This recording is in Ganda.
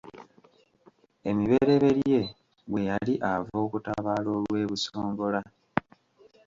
Emibereberye bwe yali ava okutabaala olw’e Busongola.